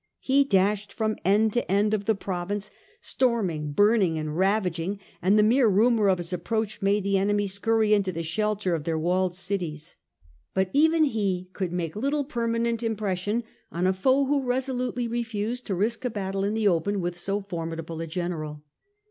He dashed from end to end of the province, storming, THE CAPTURED COUNCIL 205 burning and ravaging, and the mere rumour of his approach made the enemy scurry into the shelter of their walled cities. But even he could make little permanent impression on a foe who resolutely refused to risk a battle in the open with so formidable a general.